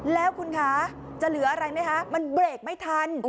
แล้วคุณคะจะเหลืออะไรไหมคะมันเบรกไม่ทัน